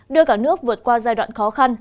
đưa cả nước vượt qua giai đoạn khó khăn